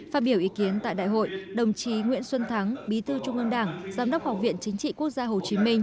phát biểu ý kiến tại đại hội đồng chí nguyễn xuân thắng bí thư trung ương đảng giám đốc học viện chính trị quốc gia hồ chí minh